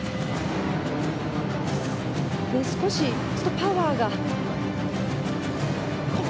少しパワーが。